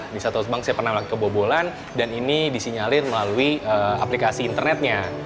di salah satu bank saya pernah melalui kebobolan dan ini disinyalin melalui aplikasi internetnya